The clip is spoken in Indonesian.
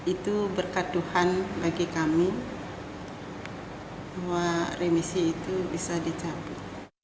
itu berkat tuhan bagi kami bahwa remisi itu bisa dicabut